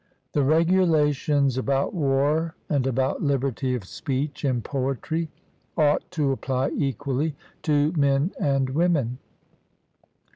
The regulations about war, and about liberty of speech in poetry, ought to apply equally to men and women.